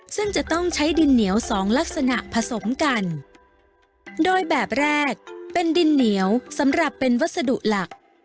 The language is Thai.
ซึ่งจะต้องใช้ดินเหนียวสองลักษณะผสมกันโดยแบบแรกเป็นดินเหนียวสำหรับเป็นวัสดุหลัก